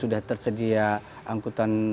sudah tersedia angkutan